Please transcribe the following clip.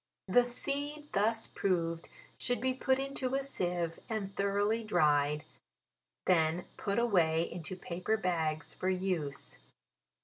The seed thus proved should be put into a seive, and thoroughly dried, then put away into paper bags, for use.